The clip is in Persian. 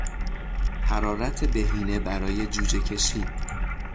حرارت بهینه برای جوجهکشی